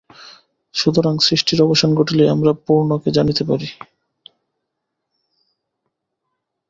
সুতরাং সৃষ্টির অবসান ঘটিলেই আমরা পূর্ণকে জানিতে পারি।